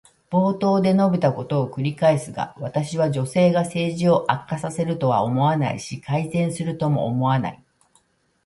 冒頭で述べたことを繰り返すが、私は女性が政治を悪化させるとは思わないし、改善するとも思わない。